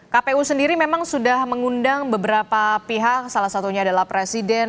kpu sendiri memang sudah mengundang beberapa pihak salah satunya adalah presiden